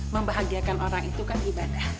membahagiakan orang itu kan ibadah